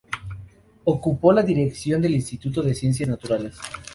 Ocupó la dirección del Instituto de Ciencias Naturales.